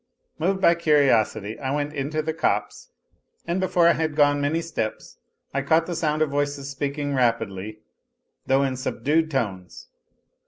Moved by curiosity I went into the copse, and before I had gone many steps I caught the sound of voices speaking rapidly, though in subdued tones.